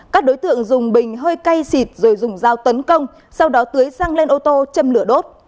các đối tượng dùng bình hơi cay xịt rồi dùng dao tấn công sau đó tưới xăng lên ô tô châm lửa đốt